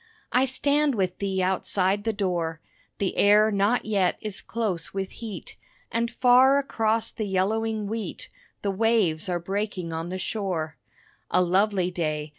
I stand with thee outside the door, The air not yet is close with heat, And far across the yellowing wheat The waves are breaking on the shore. A lovely day!